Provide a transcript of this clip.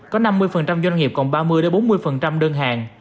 có năm mươi doanh nghiệp còn ba mươi bốn mươi đơn hàng